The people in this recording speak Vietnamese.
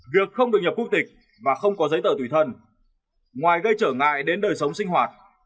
việc không được nhập quốc tịch và không có giấy tờ tùy thân ngoài gây trở ngại đến đời sống sinh hoạt